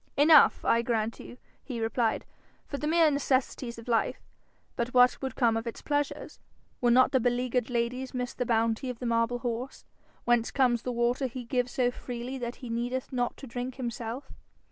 'Enough, I grant you,' he replied, 'for the mere necessities of life. But what would come of its pleasures? Would not the beleaguered ladies miss the bounty of the marble horse? Whence comes the water he gives so freely that he needeth not to drink himself?